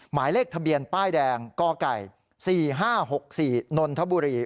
หมายเลขทะเบียนป้ายแดงกไก่๔๕๖๔นนทบุรี